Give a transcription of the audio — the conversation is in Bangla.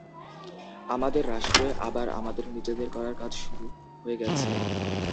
আমাদের রাষ্ট্রে আবার আমাদের নিজেদের করার কাজ শুরু হয়ে গেছে।